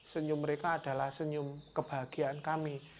senyum mereka adalah senyum kebahagiaan kami